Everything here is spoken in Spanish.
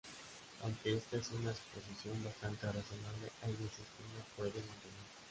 Aunque esta es una suposición bastante razonable, hay veces que no puede mantenerse.